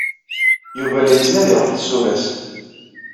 Yuba la yettnadi ɣef tsura-s.